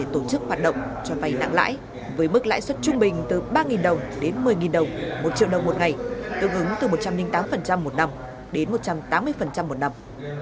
tổ chức hoạt động cho vay nặng lãi với mức lãi suất trung bình từ ba đồng đến một mươi đồng một triệu đồng một ngày tương ứng từ một trăm linh tám một năm đến một trăm tám mươi một năm